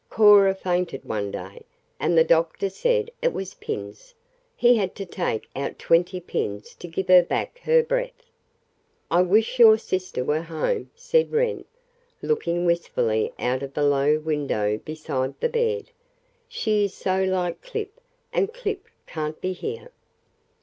Cora fainted one day, and the doctor said it was pins. He had to take out twenty pins to give her back her breath." "I wish your sister were home," said Wren, looking wistfully out of the low window beside the bed. "She is so like Clip and Clip can't be here."